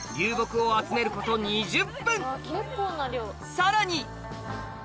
さらに！